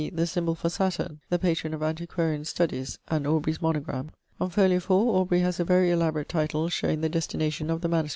the symbol for Saturn, the patron of antiquarian studies, and Aubrey's monogram. On fol. 4 Aubrey has a very elaborate title, showing the destination of the MS.